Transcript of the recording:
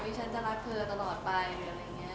อันนี้ฉันจะรักเธอตลอดไปหรืออะไรเงี้ย